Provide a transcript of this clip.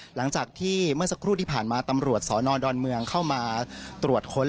หลังจากที่เมื่อสักครู่ที่ผ่านมาตำรวจสนดอนเมืองเข้ามาตรวจค้น